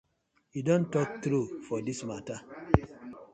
Yu don tok true for dis matter.